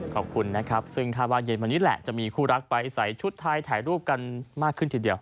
ขอบคุณนะครับซึ่งคาดว่าเย็นวันนี้แหละจะมีคู่รักไปใส่ชุดไทยถ่ายรูปกันมากขึ้นทีเดียว